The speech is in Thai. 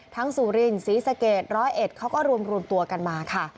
สุรินศรีสะเกดร้อยเอ็ดเขาก็รวมตัวกันมาค่ะ